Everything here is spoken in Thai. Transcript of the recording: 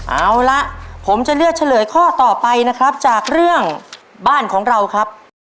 เอาละผมจะเลือกเฉลยข้อต่อไปนะครับจากเรื่องบ้านของเราครับ